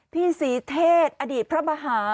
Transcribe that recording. พี่ศรีเทศอดีตพระมหา